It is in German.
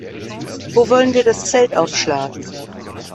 Wo wollen wir das Zelt aufschlagen?